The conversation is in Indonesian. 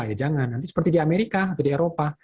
ya jangan nanti seperti di amerika atau di eropa